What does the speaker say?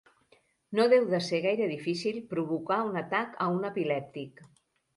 No deu de ser gaire difícil provocar un atac a un epilèptic.